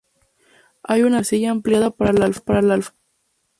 Hay una mina de arcilla empleada para la alfarería.